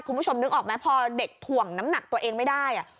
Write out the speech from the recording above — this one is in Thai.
คุณผู้ชมนึกออกไหมพอเด็กถ่วงน้ำหนักตัวเองไม่ได้